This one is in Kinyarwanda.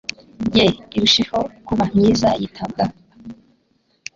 ye irusheho kuba myiza yitabwaba